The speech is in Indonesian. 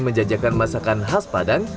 menjajakan masakan khas padang